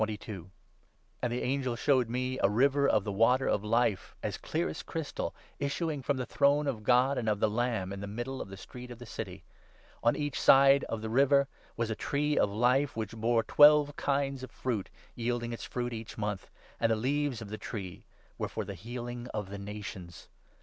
And the angel i showed me ' a river of the Water of Life,' as clear as crystal, issuing from the throne of God and of the Lamb, in the middle 2 of the street of the City. On each side of the river was a Tree of Life which bore twelve kinds of fruit, yielding its fruit each month ; and the leaves of the tree were for the healing of the nations.